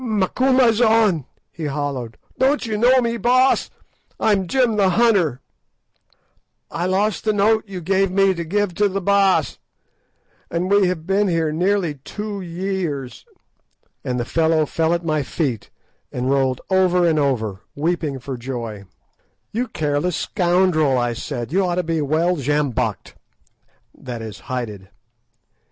"Macumazahn," he halloed, "don't you know me, Baas? I'm Jim the hunter. I lost the note you gave me to give to the Baas, and we have been here nearly two years." And the fellow fell at my feet, and rolled over and over, weeping for joy. "You careless scoundrel!" I said; "you ought to be well sjambocked"—that is, hided.